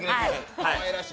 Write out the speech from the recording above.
かわいらしい。